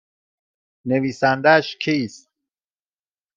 نویسندهاش کیست؟